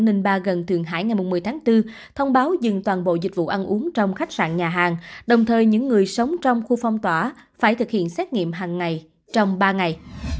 ninh ba gần thượng hải ngày một mươi tháng bốn thông báo dừng toàn bộ dịch vụ ăn uống trong khách sạn nhà hàng đồng thời những người sống trong khu phong tỏa phải thực hiện xét nghiệm hằng ngày trong ba ngày